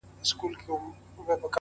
هره خبره خپل وزن لري؛